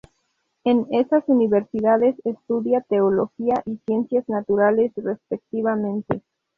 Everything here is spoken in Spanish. En esas universidades estudia teología y ciencias naturales respectivamente.